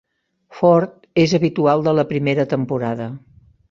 Ford és habitual de la primera temporada.